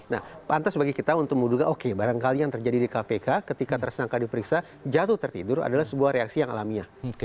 nah pantas bagi kita untuk menduga oke barangkali yang terjadi di kpk ketika tersangka diperiksa jatuh tertidur adalah sebuah reaksi yang alamiah